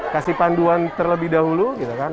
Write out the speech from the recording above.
kasih panduan terlebih dahulu gitu kan